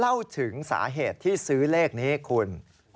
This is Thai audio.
เล่าถึงสาเหตุที่ซื้อเลขนี้คุณ